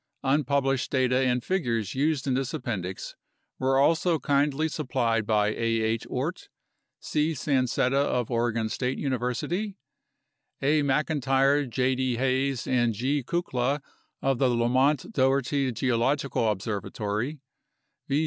Unpublished data and figures used in this Appendix were also kindly supplied by A. H. Oort; C. Sancetta of Oregon State University; A. Mclntyre, J. D. Hays, and G. Kukla of the Lamont Doherty Geological Observatory; V.